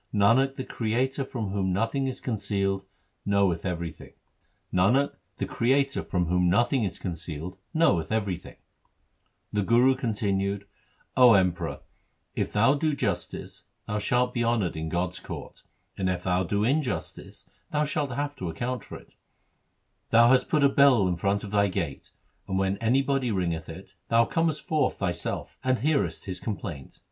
Nanak, the Creator from whom nothing is concealed, knoweth everything. 1 The Guru continued, ' O Emperor, if thou do jus tice, thou shalt be honoured in God's court, and if thou do injustice thou shalt have to account for it. Thou hast put a bell in front of thy gate, and, when anybody ringeth it, thou comest forth thyself and hearest his complaint.